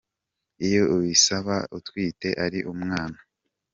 iyo ubisaba utwite ari umwana